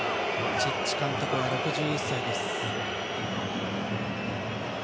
チッチ監督は６１歳です。